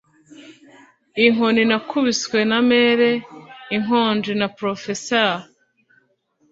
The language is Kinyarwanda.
Inkoni nakubiswe na mère, inkonji na professeur